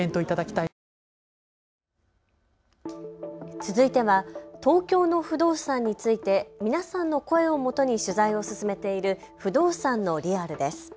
続いては東京の不動産について皆さんの声をもとに取材を進めている不動産のリアルです。